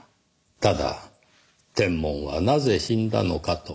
ただ「テンモンはなぜ死んだのか」と。